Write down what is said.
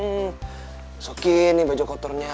masukin nih baju kotornya